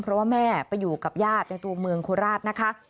เพราะว่าแม่ไปอยู่กับญาติในตัวเมืองโคราชนะคะ